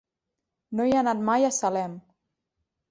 No he anat mai a Salem.